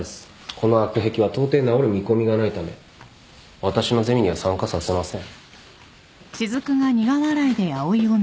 この悪癖はとうてい直る見込みがないため私のゼミには参加させません。